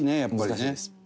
難しいです。